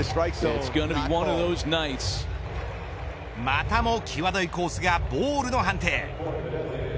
またも際どいコースがボールの判定。